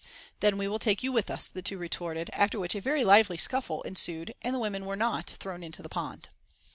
"Then we will take you with us," the two retorted, after which a very lively scuffle ensued, and the women were not thrown into the pond.